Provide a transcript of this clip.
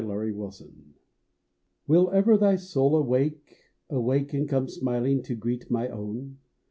THE SLEEPING SOUL. Will ever thy soul awake, Awake and come smiling to greet my own?